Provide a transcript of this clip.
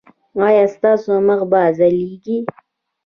ایا ستاسو مخ به ځلیږي؟